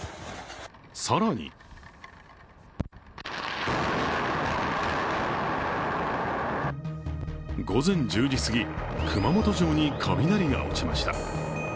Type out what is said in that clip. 更に午前１０時すぎ、熊本城に雷が落ちました。